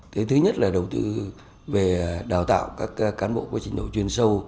thứ nhất là đầu tư về đào tạo các cán bộ quá trình đổi chuyên sâu